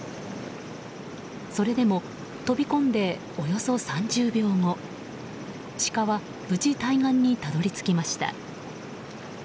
それでも飛び込んでおよそ３０秒後シカは、無事対岸にたどり着きました。